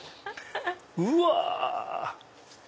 うわ！